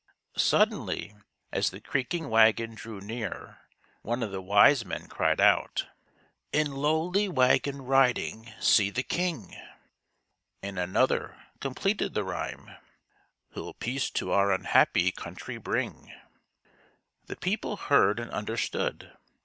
Suddenly, as the creaking wagon drew near, one of the wise men cried out: —" In lowly wagon riding, see the king !" And another completed the rhyme, —" Who'll peace to our unhappy country bring." The people heard and understood.